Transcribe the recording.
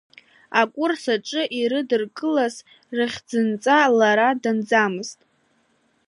Акурс аҿы ирыдыркылаз рыхьӡынҵа лара данӡамызт.